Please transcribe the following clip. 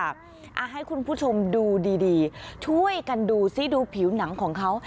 ให้คุณผู้ชมดูดีช่วยกันดูซิดูผิวหนังของเขา